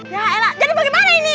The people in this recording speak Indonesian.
yah elah jadi pake mana ini